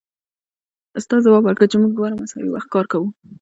استاد ځواب ورکړ چې موږ دواړه مساوي وخت کار کوو